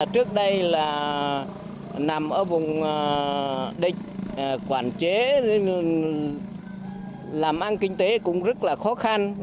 trước đây là nằm ở vùng địch quản chế làm ăn kinh tế cũng rất là khó khăn